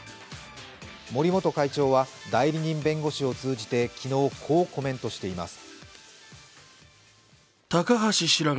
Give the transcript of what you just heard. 森元会長は代理人弁護士を通じて昨日、こうコメントしています。